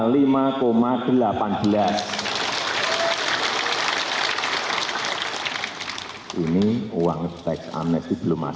kita adalah diri indonesia